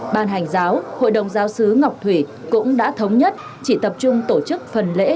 ban hành giáo hội đồng giáo sứ ngọc thủy cũng đã thống nhất chỉ tập trung tổ chức phần lễ